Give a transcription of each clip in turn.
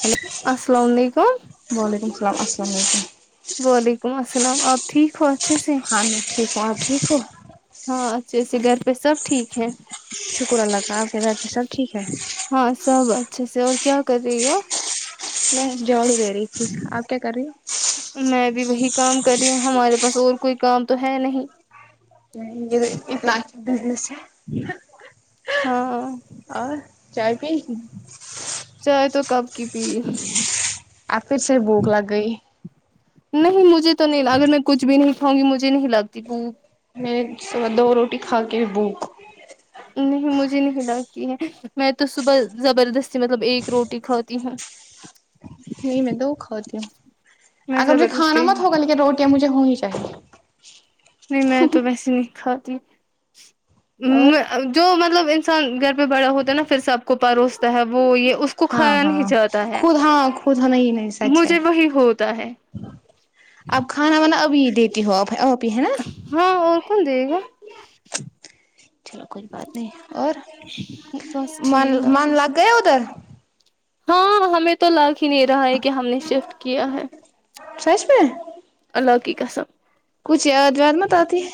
Hello السلام علیکم وعلیکم السلام السلام علیکم وعلیکم السلام آپ ٹھیک ہو اچھے سے ہاں میں ٹھیک ہوں آپ ٹھیک ہو ہاں اچھے سے گھر پہ سب ٹھیک ہے شکر اللہ تعالی آپ کے گھر پے سب ٹھیک ہے ہاں سب اچھے سے اور کیا کر رہی ہو میں جھاڑو دے رہی تھی آپ کیا کر رہی ہو میں بھی وہی کام کر رہی ہوں ہمارے پاس اور کوئی کام تو ہے نہیں ہو یہ اتنا ہی بزنس ہے ہاں اور چائے پی چائے تو کب کی پی آ پھر سے بھوک لگ گئی نہیں مجھے تو نہیں اگر میں کچھ بھی نہیں کھاؤں گی مجھے نہیں لگتی بو میں س دو روٹی کھا کے بھوک نہیں مجھے نہیں لگتی ہے میں تو صبح زبردستی مطلب ایک روٹی کھاتی ہوں نہیں میں دو کھاتی ہوں میں اگر مجھے کھانا زبردستی مت ہوگا نہیں لیکن روٹیاں مجھے ہونی چاہیے نہیں میں تو ویسے نہیں کھاتی اور میں اد جو مطلب انسان گھر پہ بڑا ہوتا ہے نا پھر سب کو پروستا ہے وہ یہ اس کو ہاں کھایا نہیں ہاں جاتا ہے خود ہاں خود ہاں نہیں نہیں سچ ہے مجھے وہی ہوتا ہے آپ کھانا وانا ابھی دیتی ہو ا ا بھی ہے نا ہاں اور کون دے گا چلو کوئی بات نہیں اور بس من ٹھیک من اچھے سے لاگ گیا ادھر ہاں ہمیں تو لاگ ہی نہیں رہا ہے کہ ہم نے شفٹ کیا ہے سچ میں الله کی قسم کچھ یاد ود مت آتی ہے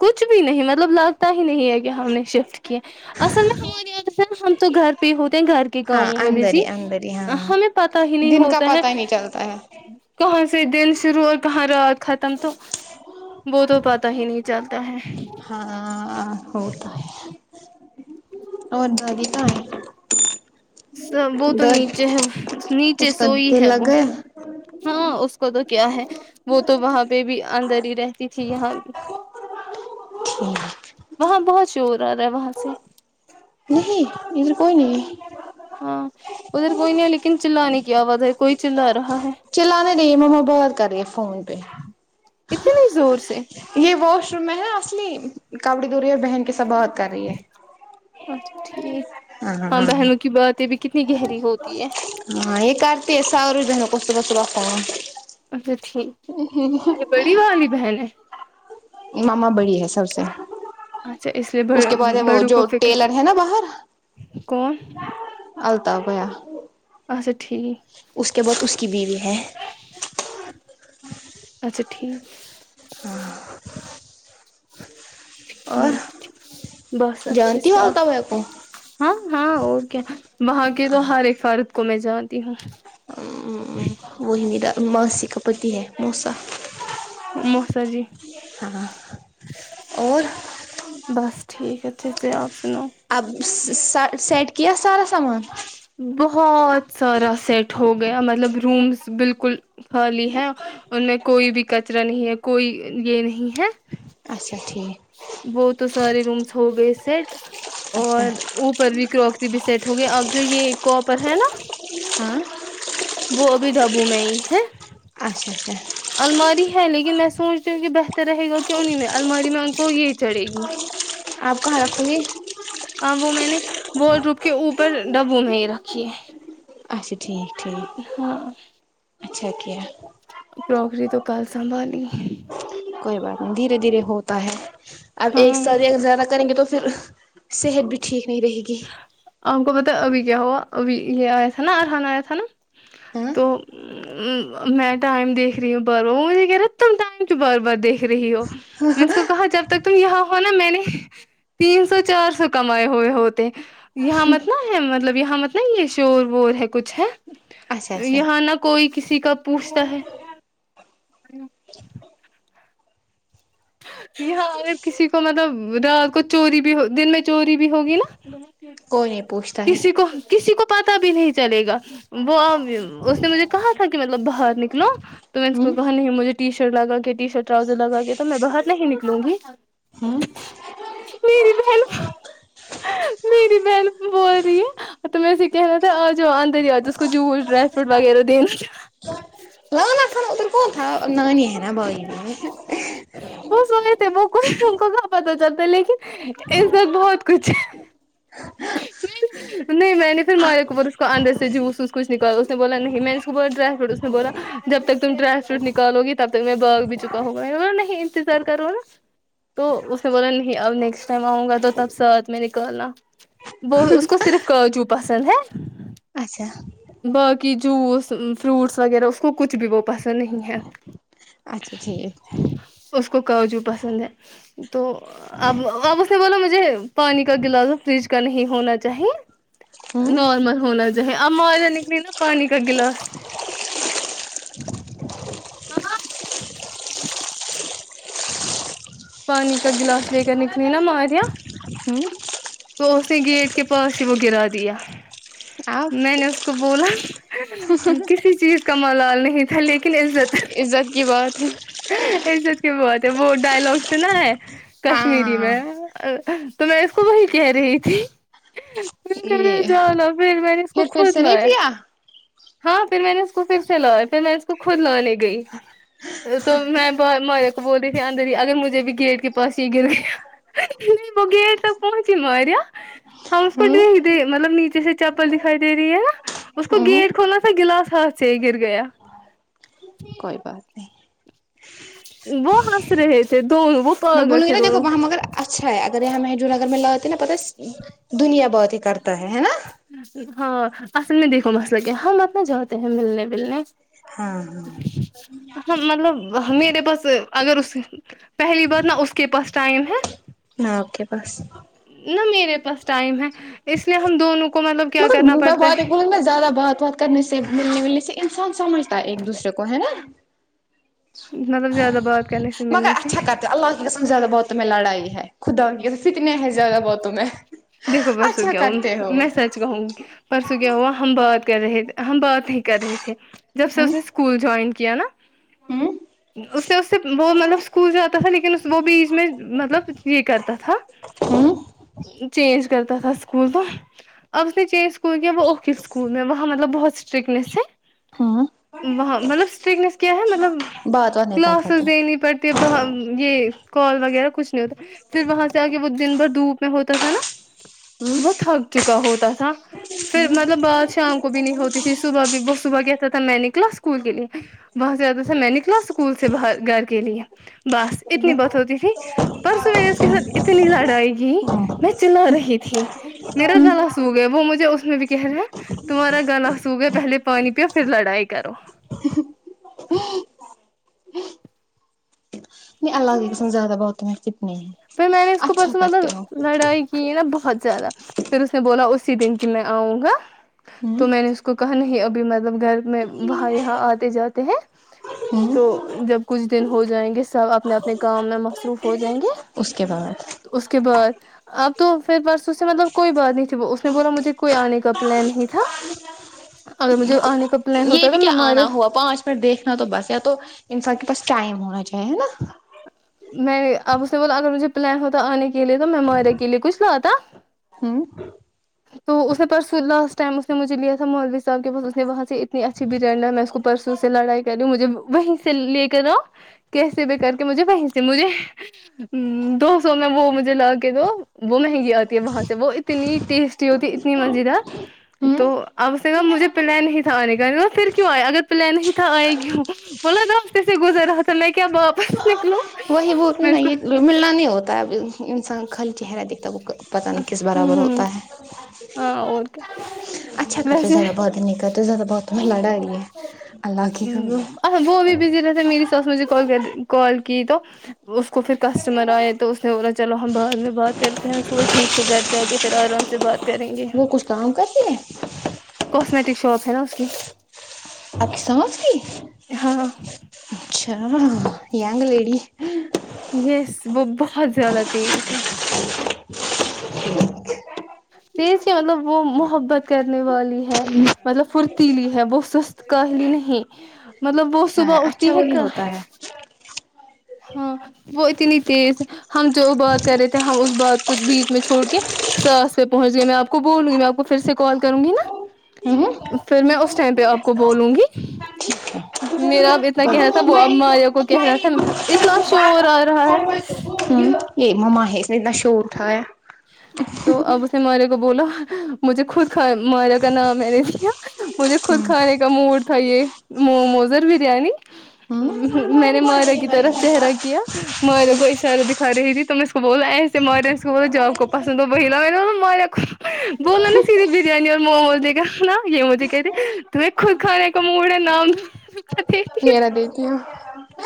کچھ بھی نہیں مطلب لگتا ہی نہیں ہے کہ ہم نے شفٹ کیے اصل میں ہماری یاد ہے نا ہم تو گھر پہ ہی ہوتے ہیں گھر کے ہاں کاموں میں اندر بزی ہی اندر ہی ہاں ہمیں پتا ہی نہیں دن کا ہوتا ہے پتا ہی نہیں چلتا ہے کہاں سے دن شروع اور کہاں رات ختم تو وہ تو پتا ہی نہیں چلتا ہے ہاں تو ہے اور دادی کہاں ہے س وہ تو داد نیچے ہے نیچے اس کا سوئی دل ہے لگ وہ گیا ہاں اس کو تو کیا ہے وہ تو وہاں پہ بھی اندر ہی رہتی تھی یہاں ٹھ [unintelligible] وہاں بہت شور آ رہا ہے وہاں سے نہیں یہ کون ہے ہاں ادھر کوئی نہیں ہے لیکن چلا نے کی آواز ہآئی کوئی چلا رہا ہے چلا نا نہیں مما بات کررہی ہے فون پی اتنے زور سے یہ واش روم میں ہے اصلی کبڑی دورہی اور بہن کے سبات اچھا ٹھیک ہاں بہنوں کی باتیں بھی کتنی گہری ہوتی ہے ہاں یہ کارتی ہے سا اورور ج ہیں کس کس رپ اچھا ٹھیک یہ بڑی والی بہن ہے ماما بڑی ہے سب سے اچھا لیے اس کے بعد ہے وہ بڑوں کو جو فکر ٹیلر ہے نا باہر کون الطاف بھائی اچھا ٹھیک اس کے بعد اس کی بیوی ہے اچھا ٹھیک ہاں اور بس اچھے جانتی ہو سے آپ الطاف بھیا کو ہاں ہاں اور کیا وہاں کے تو ہر ایک فرد کو میں جانتی ہوں ہوں وہ ہی میرا ماسی کا پتی ہے موسی موسا جی ہاں اور بس ٹھیک اچھے سے آپ سناو اب س۔ س۔ سیٹ کیا سارا سامان بہت سارا سیٹ ہو گیا مطلب رومس بالکل خالی ہے ان میں کوئی بھی کچرا نہیں ہے کوئی یہ نہیں ہے اچھا ٹھیک وہ تو سارے رومس ہو گئے سیٹ اچھا اور اوپر بھی کروکری بھی سیٹ ہو گئی اب جو یہ کاپر ہے نا ہاں وہ بھی ڈبوں میں ہی ہے اچھا اچھا الماری ہے لیکن میں سوچتی ہوں کہ بہتر رہے گا کیوں نہیں میں الماری میں ان کو یہ چڑھے گی آپ کہاں رکھو گی ہاں وہ میں نے وارڈ روب کے اوپر ڈبوں میں ہی رکھی ہے اچھا ٹھیک ٹھیک ہاں اچھا کیا کروکری تو کل سنبھالئینگے کوئی بات نہیں دھیرے دھیرے ہوتا ہے اب ایک ہاں ساتھ ہی اگر زیادہ کریں گے تو پھر صحت بھی ٹھیک نہیں رہے گی آپ کو پتا ابھی کیا ہوا ابھی یہ آیا تھا نا ارہاں آیا تھا نا ہاں تو ا وں میں ٹائم دیکھ رہی ہوں بار بار وہ مجھے کہہ رہا تم ٹائم کیوں بار بار دیکھ رہی ہو میں نہ اسکو کو کہا جب تک تم یہاں ہو نا میں نے تین سو چار سو کمائے ہوئے ہو تے یہاں مت نہ ہے مطلب یہاں مت نا یہ شور وور ہے کچھ ہے اچھا اچھا یہاں نہ کوئی کسی کا پوچھتا ہے یہاں اگر کسی کو مطلب رات کو چوری بھی دن میں چوری بھی ہوگی نا کوئی نہیں پوچھتا ہے کسی کو کسی کو پتا بھی نہیں چلے گا وہ ا اس نے مجھے کہا تھا کہ مطلب باہر نکلو تو میں نے اس کو ہوں کہا نہیں مجھے ٹی شرٹ لگا کے ٹی شرٹ ٹرؤزر لگا کے تو میں باہر نہیں نکلوں گی ہوں میری بہن میری بہن بول رہی ہے تو میں سے کہنا تھا آ جاو اندر ہی آ جاؤ اس کو جوس ڈرائی فروٹ وغیرہ دینا تھا وہ تھا نانی ہے نا بائی میں وہ سن لیتے وہ کون ان کو کہاں پتا چلتا لیکن عزت بہت کچھ ہے ہاں نہیں میں نے پھر مارے اوپر اس کو اندر سے جوس وس کچھ نکالا اس نے بولا نہیں میں نے اس کو بولا ڈرائی فروٹ اس نے بولا جب تک تم ڈرائی فروٹ نکالو گی تب تک میں بھاگ بھی چکا ہوں گا میں نے بولا نہیں انتظار کرو نا تو اس نے بولا نہیں اب نیکسٹ ٹائم آؤں گا تو تب ساتھ میں نکالنا وہ اس کو صرف کاجو پسند ہے اچھا باقی جوس فروٹس وغیرہ اس کو کچھ بھی وہ پسند نہیں ہے اچھا ٹھیک ہاں اس کو کاجو پسند ہے تو اب اب اس نے بولا مجھے پانی کا گلاس فریج کا نہیں ہونا چاہیے ہوں نارمل ہونا چاہیے اب ماریہ نکلی نا پانی کا گلاس ہاں پانی کا گلاس لے کر نکلی نا ماریا ہوں تو اس نے گیٹ کے پاس ہی وہ گرا دیا آپ میں نے اس کو بولا کسی چیز کا ملال نہیں تھا لیکن عزت عزت کی بات ہے عزت کی بہت ہے وہ ڈائلگ سنا ہے ہاں کشمیری ہاں میں تو میں اس کو وہی کہہ رہی تھی [unintelligible] یہ میں نے اسکو پھر پھر خود سے لیا نہیں ہے پیا ہاں پھر میں نے اس کو پھر سے لایا پھر میں اس کو خود لانے گئی تو میں مایا کو بول رہی تھی اندر ہی اگر مجھ جب گیٹ کے پاس یہ گرےگا نہیں وہ گیٹ تک پہنچی ماریا ہم اس کو ہوں دے ہی دے مطلب نیچے سے چپل دکھائی دے رہی ہے نا اس کو ہوں گیٹ کھولنا تھا گلاس ہاتھ سے ہی گر گیا کوئی بات نہیں وہ ہنس رہے تھے دونوں وہ میں پاگل بولوں گی تھے نا دیکھو دونوں وہاں مگر اچھا ہے اگر یہاں محج نگر میں لاتے نا پتا دنیا بات ہی کرتا ہے نا ہاں اصل میں دیکھو مسئلہ کہ ہم اپنا جاتے ہیں ملنے ولنے ہاں ہاں ہم مطلب میرے پاس اگر اس پہلی بات نا اس کے پاس ٹائم ہے نہ آپ کے پاس نہ میرے پاس ٹائم ہے اس لیے ہم دونوں کو مطلب کیا مطلب کرنا پڑتا ہے میں [unintelligible] میں زیادہ بات وات کرنے سے ملنے ولنے سے انسان سمجھتا ہے ایک دوسرے کو ہے نا مطلب زیادہ بات کرنے سے مگر ملنے سے اچھا کرتے اللہ کی قسم زیادہ باتوں میں لڑائی ہے خدا کی قسم فتنے ہیں زیادہ باتوں میں دیکھو پرسوں اچھا کیا هوں کرتے ہو میں سچ کہوں گی پرسوں کیا ہوا ہم بات کر رہے تھے ہم بات ہی کر رہے تھے جب سے اس نے اسکول جوائن کیا نا ہم اس میں اس سے وہ مطلب اسکول جاتا تھا لیکن وہ بھی اسمے میں مطلب کچھ یہ کرتا تھا ہاں چینج کرتا تھا اسکول تو اب اس نے چینج اسکول کیا وہ [unintelligible] اسکول میں وہاں مطلب بہت اسٹرکٹنیس ہے ہوں وہاں مطلب اسٹرکنیس کیا ہے مطلب بات وات نہیں کر پاتے کلاسز دینی پڑ ب یہ کال وغیرہ کچھ نہیں ہوتا پھر وہاں سے آگ وہ دن بھر دھوپ میں ہوتا تھا نا ہوں وہ تھک چکا ہوتا تھا پھر مطلب بات شام کو بھی نہیں ہوتی تھی صبح بھی وہ صبح کہتا تھا میں نکلا اسکول کے لیے وہاں زیادہ سے میں نکلا اسکول سے باہر گھر کے لیے بس اتنی بات ہوتی تھی پرسوں میں اس کے ساتھ اتنی لڑائی کی میں چلا رہی تھی میرا گلا سو گیا وہ مجھے اس میں بھی کہہ رہا ہیں تمہارا گلہ سوگیا پہلے پانی پیو پھر لڑائی کرو نہیں اللہ کی قسم زیادہ [unintelligible] کتنی ہے اچھا کرتے ہو یہ نا بہت زیادہ پھر اس نے بولا اسی دن کی میں آؤں گا ہوں تو میں نے اس کو کہا نہیں ابھی مطلب گھر میں وہاں یہاں آتے جاتے ہیں ہوں تو جب کچھ دن ہو جائیں گے سب اپنے اپنے کام میں مصروف ہو جائیں گے اس کے بعد اس کے بعد اب تو پھر پرسوں سے مطلب کوئی بات نہیں تھی اس نے بولا مجھے کوئی آنے کا پلان نہیں تھا اگر مجھے آنے کا پلان ہوتا ہے تو میں ہمارے پر دیکھنا تو بس یا تو انسان کے پاس ٹائم ہونا چاہیے ہے نا میں اب اس نے بولا اگر مجھے پلان ہوتا آنے کے لیے تو میں مائرے کے لیے کچھ لاتا ہوں تو اس نے پرسوں لاسٹ ٹائم اس نے مجھے لیا تھا مولوی صاحب کے پاس اس نے وہاں سے اتنی اچھی بریانی لائی میں اس کو پرسوں سے لڑائی کریوں مجھے وہیں سے لیکر آؤ کیسے بھی کر کے مجھے وہی سے مجھے ہوں دو سو میں وہ مجھے لا کے دو وہ مہنگی آتی ہے وہاں سے وہ اتنی ٹیسٹی ہوتی اتنی مزیدار تو ہوں اب اس گا مجھے پلین نہیں تھا آنے کا پھر کیوں آئے اگر پلین نہیں تھا آئے کیوں بولا نہ اسے گزر رہا تو میں کیا واپس نکلو وہی بات ہے نا یہ ملنا نہیں ہوتا ہے اب انسان خالی چہرہ دیکھتا وہ کا پتہ نہیں کس برابر ہوں ہوتا ہے ہاں اور کیا اچھا کرتے ویسے زیادہ بات ہی نہیں کرتے زیادہ باتوں میں لڑائی ہے اللہ کی کرو ا وہ بھی بزی رہتا میری ساس مجھے کال کر کال کی تو اس کو پھر کسٹمر آئے تو اس نے بولا چلو ہم بعد میں بات کرتے ہیںول ٹھیک ہے گھر جا کے پھر آرام سے بات کریں وہ کچھ کام کرتی ہے کوسمیٹک شاپ ہے نا اس کی اچھ سمجھتی ہاں اچھا ینگ لیڈی یس وہ بہت زیادہ تیز ہے تیز کی مطلب وہ محبت کرنے والی ہے مطلب پھرتیلی ہے وہ سست کاہلی نہیں مطلب وہ اچھا صبح اٹھ ت اچھا ہے وہی کا ہے ہوتا ہاں وہ اتنی تیز ہم جو بات کر رہے تھے ہم اس بات کو بیچ میں چھوڑ کے ساس پھر پہنچ گیا میں آپ کو بولوں گی میں آپ کو پھر سے کال کروں گی نا ہوں پھر میں اس ٹائم پہ آپ کو بولوں گی ٹھیک ہے میرا اب اتنا کہہ رہا تھا وہ اب ماریا کو کہ رہا تھا اتنا شور آ رہا ہے یہ مما ہے اس نے اتنا شور اٹھایا تو اب اس نے ماریہ کو بولا مجھے خود ک ماریہ کا نام میں نے لیا مجھے خود ہوں کھانے کا موڈ تھا یہ موموز اور بریانی میں نے مائرہ کی طرف چہرہ کیا مائرا کو اشارہ دکھا رہی تھی تو اس کو بولا ایسے مڈولس کو بولو جاؤ کوب ہوں پسند تو وہی لانا مائرہ کو بولنا نا سیدے بریانی اور موموز لے کے آنا یہ مجھے کہے رہی تمہیں خود کھانے کا موڑ ہے نام کتے میرا دیتی ہو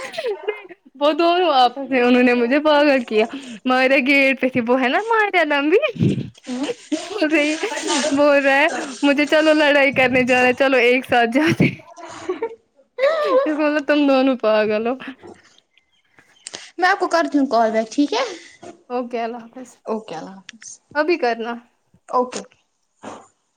دیکھ وہ دونوں آپس میں انہوں نے مجھے پاگل کیا مائرہ گیٹ پہ تھی وہ ہے نا ما کا نام بھی بول رہی بول رہا ہے مجھے چلو لڑائی کرنے جانا ہے چلو ایک ساتھ جاتے میں بولا تم دونوں پاگل ہو میں آپ کو کرتی ہوں کال بیک ٹھیک ہے اوکے اللہ حافظ اوکے اللہ حافظ ابھی کرنا اوکے